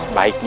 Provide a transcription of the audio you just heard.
ya ada itu